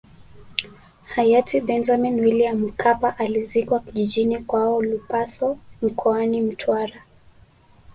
Hayati Benjamini Wiliam Mkapa alizikwa kijijini kwao Lupaso mkoani Mtwara